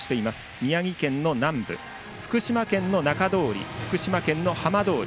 宮城県の南部福島県の中通り、浜通り。